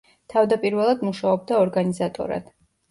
თავდაპირველად მუშაობდა ორგანიზატორად.